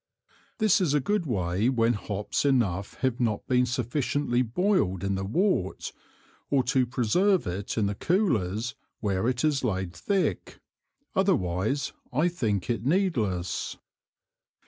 This is a good way when Hops enough have not been sufficiently boiled in the Wort, or to preserve it in the Coolers where it is laid thick, otherwise I think it needless.